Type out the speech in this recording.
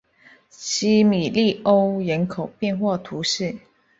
基米利欧人口变化图示